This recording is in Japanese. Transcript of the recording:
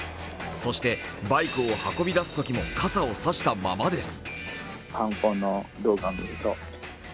そして、バイクを運び出すときも傘をさしたままです。